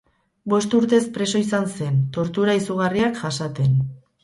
Bost urtez preso izan zen, tortura izugarriak jasaten.